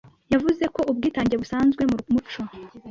yavuze ko ubwitange busanzwe mu muco